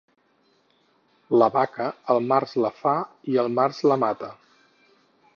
La vaca, el març la fa i el març la mata.